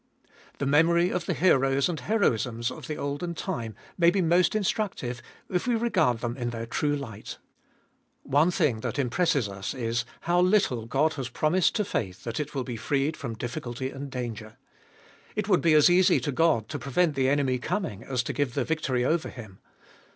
The memory of the heroes and heroisms of the olden time may be most instructive, if we regard them in their true light. One thing that impresses us is, how little God has promised to faith that it will be freed from difficulty and danger. It would be as easy to God to prevent the enemy coming as to give the victory over him.